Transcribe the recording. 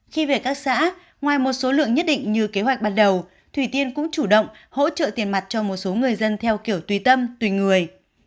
khi về các xã ngoài một số lượng nhất định như kế hoạch ban đầu thủy tiên cũng chủ động hỗ trợ tiền mặt cho một số người dân theo kiểu tùy tâm tùy người